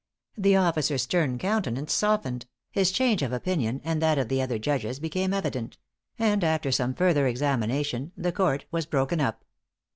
The officer's stern countenance softened; his change of opinion and that of the other judges, became evident; and after some further examination, the court was broken up.